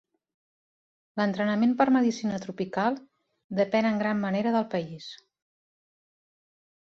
L'entrenament per Medicina Tropical depèn en gran manera del país.